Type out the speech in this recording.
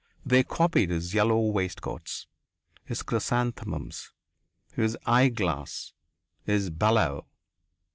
They copied his yellow waistcoats, his chrysanthemums, his eye glass, his bellow.